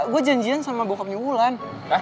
gue janjian sama bokapnya ulan